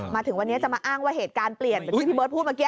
มาถึงวันนี้จะมาอ้างว่าเหตุการณ์เปลี่ยนเหมือนที่พี่เบิร์ตพูดเมื่อกี้